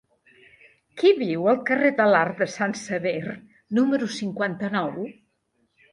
Qui viu al carrer de l'Arc de Sant Sever número cinquanta-nou?